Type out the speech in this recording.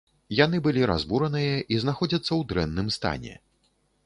Яны былі разбураныя і знаходзяцца ў дрэнным стане.